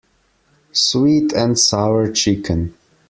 Sweet-and-sour chicken.